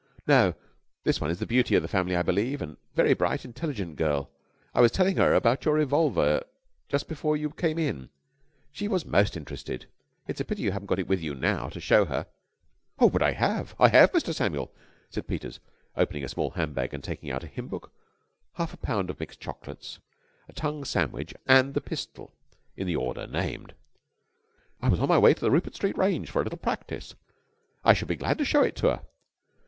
"No. This one is the beauty of the family, I believe. A very bright, intelligent girl. I was telling her about your revolver just before you came in, and she was most interested. It's a pity you haven't got it with you now, to show to her." "Oh, but I have! I have, Mr. Samuel!" said Peters, opening a small handbag and taking out a hymn book, half a pound of mixed chocolates, a tongue sandwich, and the pistol, in the order named. "I was on my way to the Rupert Street range for a little practice. I should be glad to show it to her."